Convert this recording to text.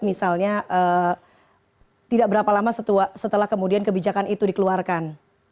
misalnya tidak berapa lama setelah kemudian kebijakan itu dikeluarkan